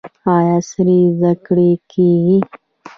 آیا عصري زده کړې کیږي؟